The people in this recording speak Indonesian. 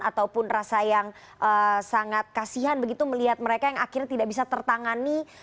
ataupun rasa yang sangat kasihan begitu melihat mereka yang akhirnya tidak bisa tertangani